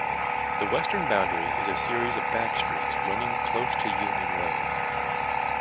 The western boundary is a series of back streets running close to Union Road.